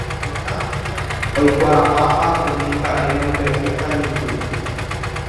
oikuaapápa umi mba'emombe'u kañymby